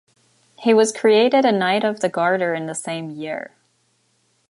He was created a Knight of the Garter in the same year.